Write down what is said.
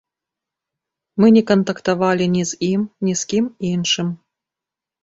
Мы не кантактавалі ні з ім, ні з кім іншым.